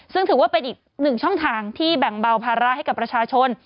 ซึ่งถือว่าเป็นอีกหนึ่งช่องทางที่แบ่งเบาภาระให้กับประชาชน